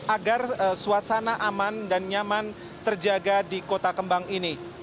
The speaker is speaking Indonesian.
agar suasana aman dan nyaman terjaga di kota kembang ini